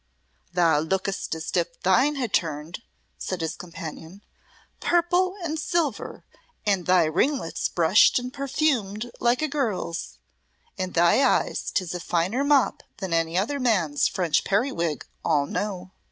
"Thou look'st as if thine had turned," said his companion. "Purple and silver, and thy ringlets brushed and perfumed like a girl's. In thy eyes 'tis a finer mop than any other man's French periwig, all know."